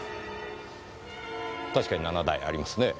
確かに７台ありますねぇ。